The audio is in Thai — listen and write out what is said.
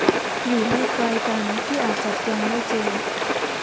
อยู่ไม่ไกลกัน ที่อาจจะยังได้เจอ